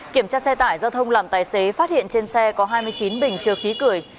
kiểm tra xe tải giao thông làm tài xế phát hiện trên xe có hai mươi chín bình chứa khí cười